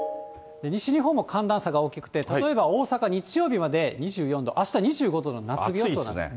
西日本も寒暖差が大きくて、例えば、大阪、日曜日まで２４度、あした２５度の夏日予想なんです。